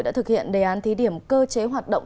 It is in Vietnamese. đã thực hiện đề án thí điểm cơ chế hoạt động